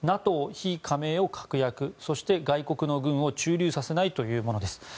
ＮＡＴＯ非加盟を確約そして、外国の軍を駐留させないというものです。